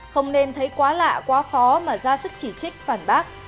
không nên thấy quá lạ quá khó mà ra sức chỉ trích phản bác